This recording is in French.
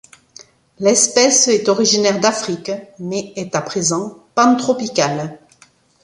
L'espèce est originaire d'Afrique mais est à présent pantropicale.